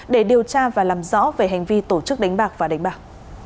để điều tra và làm rõ về hành vi tổ chức đánh bạc và đánh bạc